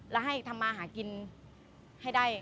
และให้ทำมาหากินให้ได้